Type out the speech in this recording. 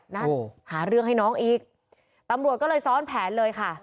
นั่นหาเรื่องให้น้องอีกตำรวจก็เลยซ้อนแผนเลยค่ะ